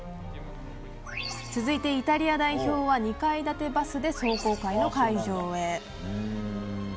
続いてイタリア代表は２階建てバスで壮行会の会場へ。